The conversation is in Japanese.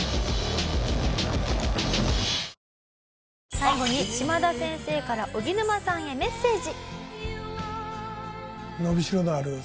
「最後に嶋田先生からおぎぬまさんへメッセージ」